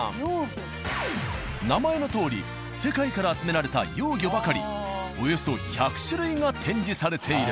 名前のとおり世界から集められた幼魚ばかりおよそ１００種類が展示されている。